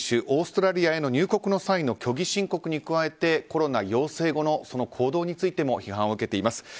オーストラリアへの入国の際の虚偽申告に加えてコロナ陽性後の行動についても批判を受けています。